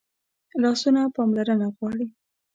لاسونه پاملرنه غواړي